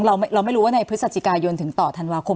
เราไม่รู้ว่าในพฤศจิกายนถึงต่อธันวาคม